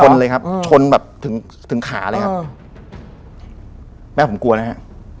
เลยครับชนแบบถึงถึงขาเลยครับแม่ผมกลัวนะฮะ